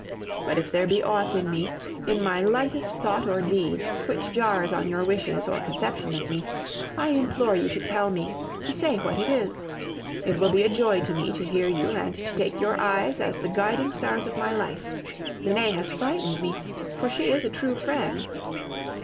But if there be aught in me, in my lightest thought or deed, which jars on your wishes or conception of me, I implore you to tell me, to say what it is. It will be a joy to me to hear you and to take your eyes as the guiding stars of my life. Renee has frightened me, for she is a true friend."